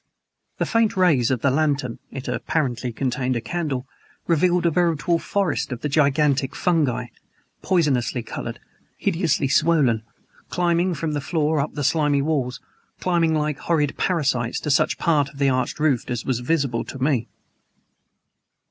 The faint rays of the lantern (it apparently contained a candle) revealed a veritable forest of the gigantic fungi poisonously colored hideously swollen climbing from the floor up the slimy walls climbing like horrid parasites to such part of the arched roof as was visible to me.